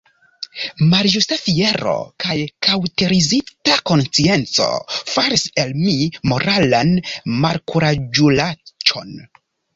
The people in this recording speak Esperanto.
Malĝusta fiero kaj kaŭterizita konscienco faris el mi moralan malkuraĝulaĉon.